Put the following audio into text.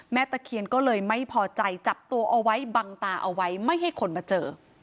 ตะเคียนก็เลยไม่พอใจจับตัวเอาไว้บังตาเอาไว้ไม่ให้คนมาเจอ